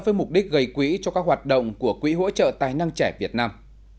với mục đích gây quỹ cho các hoạt động của quỹ hỗ trợ tài năng trẻ việt nam